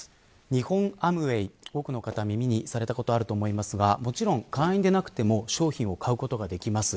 日本アムウェイ多くの方、耳にされたことがあると思いますがもちろん、会員でなくても商品を買うことができます。